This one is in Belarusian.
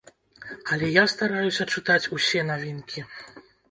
Але я стараюся чытаць усе навінкі.